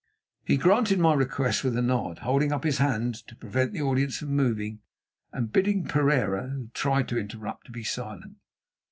He granted my request with a nod, holding up his hand to prevent the audience from moving, and bidding Pereira, who tried to interrupt, to be silent.